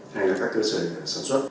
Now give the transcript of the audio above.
hay là các cơ sở sản xuất